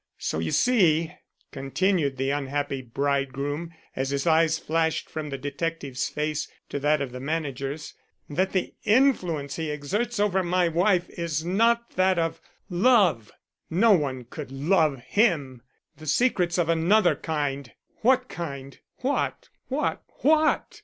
So you see," continued the unhappy bridegroom, as his eyes flashed from the detective's face to that of the manager's, "that the influence he exerts over my wife is not that of love. No one could love him. The secret's of another kind. What kind, what, what, what?